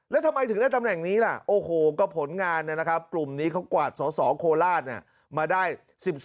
และทำไมถึงได้ตำแหน่งนี้นี่พลงงานกลุ่มนี้กว่าสอส๋อโคลาส